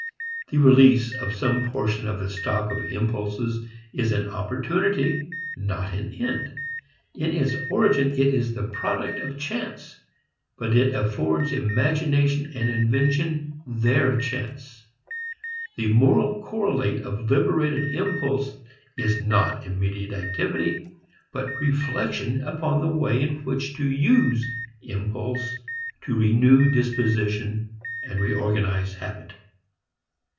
The release of some portion of the stock of impulses is an opportunity, not an end. In its origin it is the product of chance; but it affords imagination and invention their chance. The moral correlate of liberated impulse is not immediate activity, but reflection upon the way in which to use impulse to renew disposition and reorganize habit.